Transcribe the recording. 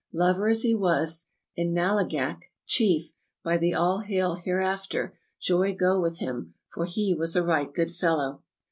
Lover as he was, and nalegak (chief) by the all hail hereafter, joy go with him, for he was a right good fellow."